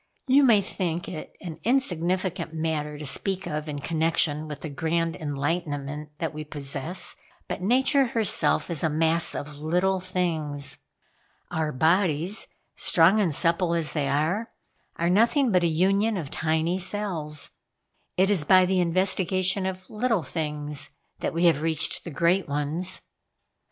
You may think it an insignificant matter to speak of in connection with the grand enlightenment that we possess; but Nature herself is a mass of little things. Our bodies, strong and supple as they are, are nothing but a union of tiny cells. It is by the investigation of little things that we have reached the great ones."